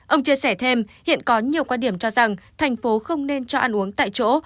ông chia sẻ thêm hiện có nhiều quan điểm cho rằng thành phố không nên cho ăn uống tại chỗ